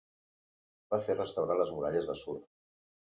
Va fer restaurar les muralles d'Assur.